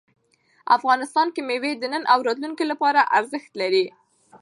افغانستان کې مېوې د نن او راتلونکي لپاره ارزښت لري.